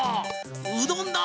うどんだ！